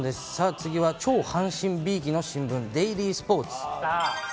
次は超阪神びいきの新聞、デイリースポーツ。